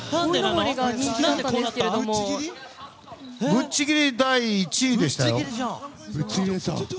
ぶっちぎりで第１位でしたよ。